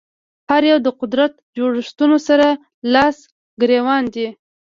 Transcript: هر یو د قدرت جوړښتونو سره لاس ګرېوان دي